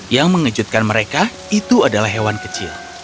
yang mengejutkan mereka itu adalah hewan kecil